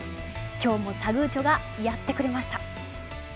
今日もサグーチョがやってくれました。